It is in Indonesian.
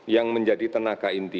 yang menjadi tenaga inti